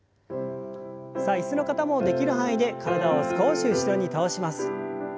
さあ椅子の方もできる範囲で体を少し後ろに倒します。